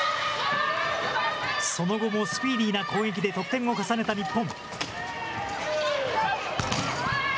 その後もスピーディーな攻撃で得点を重ねた日本。